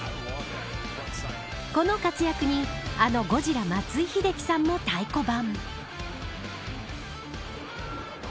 この活躍に、あのゴジラ松井秀喜さんも太鼓判。